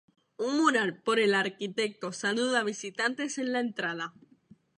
Un mural por el arquitecto saluda visitantes en la entrada.